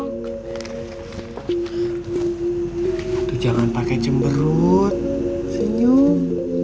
aduh jangan pake cemberut senyum